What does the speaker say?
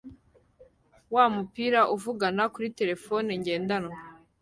wumupira uvugana kuri terefone ngendanwa